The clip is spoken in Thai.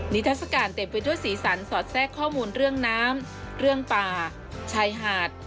ทัศกาลเต็มไปด้วยสีสันสอดแทรกข้อมูลเรื่องน้ำเรื่องป่าชายหาด